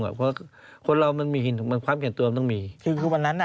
เพราะว่าคนเรามันมีความเข็ญตัว